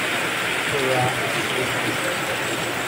Kira is shaken.